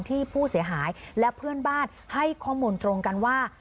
ที่ผู้เสียหายและเพื่อนบ้านให้ข้อมูลตรงกันว่า